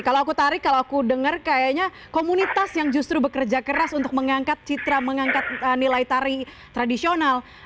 kalau aku tarik kalau aku dengar kayaknya komunitas yang justru bekerja keras untuk mengangkat citra mengangkat nilai tari tradisional